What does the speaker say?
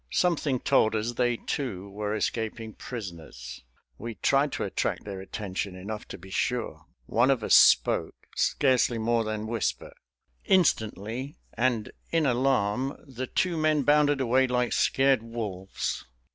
Something told us they, too, were escaping prisoners. We tried to attract their attention enough to be sure. One of us spoke, scarcely more than whisper. Instantly and in alarm the two men bounded away like scared wolves.